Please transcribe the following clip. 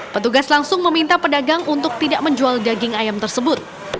petugas langsung meminta pedagang untuk tidak menjual daging ayam tersebut